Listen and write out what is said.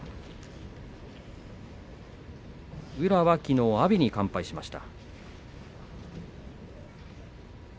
宇良は、きのう阿炎に完敗しました。